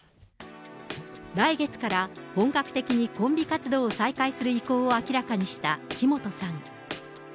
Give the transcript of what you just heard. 来月から本格的にコンビ活動を再開する意向を明らかにした木本さん。